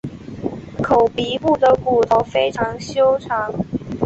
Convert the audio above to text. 口鼻部的骨头非常修长。